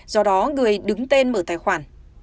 do đó người đứng tên mở tài khoản